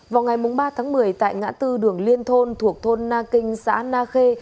vào ngày ba tháng một mươi tại ngã tư đường liên thôn thuộc thôn na kinh xã na khê